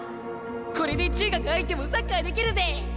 これで中学入ってもサッカーできるぜ！